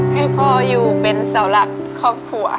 ให้พ่ออยู่เป็นเสาหลักครอบครัว